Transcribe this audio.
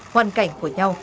hoàn cảnh của nhau